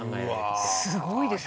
すごいですね。